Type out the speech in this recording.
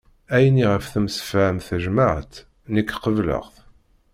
Ayen i ɣef temsefham tejmaɛt nekk qebleɣ-t